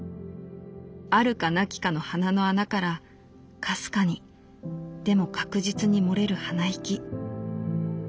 あるかなきかの鼻の穴からかすかにでも確実に漏れる鼻息。